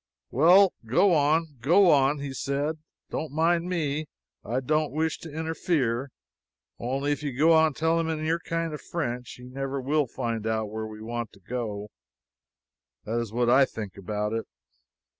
"Well, go on, go on," he said, "don't mind me. I don't wish to interfere. Only, if you go on telling him in your kind of French, he never will find out where we want to go to. That is what I think about it."